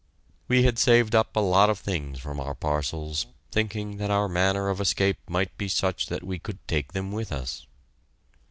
We had saved up a lot of things from our parcels, thinking that our manner of escape might be such that we could take them with us.